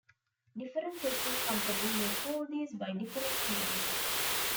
Different testing companies may call these by different names.